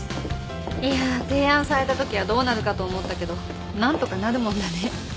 いや提案されたときはどうなるかと思ったけど何とかなるもんだね。